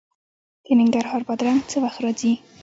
د ننګرهار بادرنګ څه وخت راځي؟